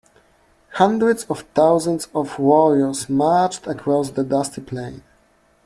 Hundreds of thousands of warriors marched across the dusty plain.